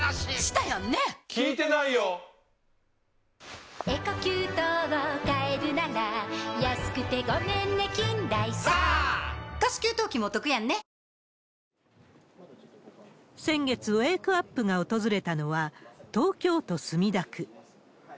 ニトリ先月、ウェークアップが訪れたのは、東京都墨田区。